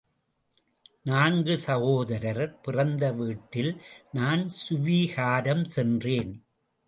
நான்கு சகோதரர் பிறந்த வீட்டில் நான் சுவீகாரம் சென்றேன்.